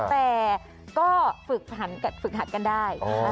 แต่ก็ฝึกหัดกันได้